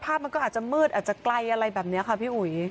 มันก็อาจจะมืดอาจจะไกลอะไรแบบนี้ค่ะพี่อุ๋ย